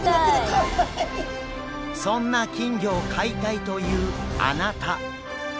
そんな金魚を飼いたいというあなた！